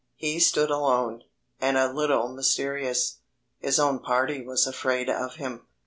He stood alone, and a little mysterious; his own party was afraid of him.